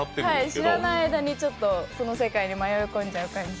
知らない間に、その世界に迷い込んじゃう感じ。